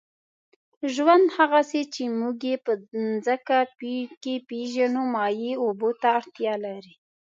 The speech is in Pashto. ژوند، هغسې چې موږ یې په مځکه کې پېژنو، مایع اوبو ته اړتیا لري.